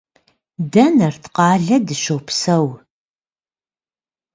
De Nartkhale dışopseur.